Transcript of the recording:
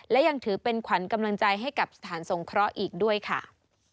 และยังถือเป็นขวัญกำลังใจให้กับสถานสงเคราะห์อีกด้วยค่ะ